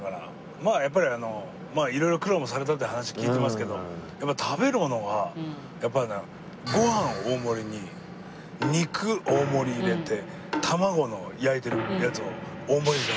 まあやっぱりいろいろ苦労もされたって話聞いてますけど食べるものがやっぱりねご飯大盛りに肉大盛り入れて卵の焼いてるやつを大盛りで食べるんですよ。